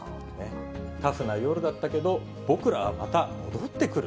タフな夜だったけど、僕らはまた戻ってくる。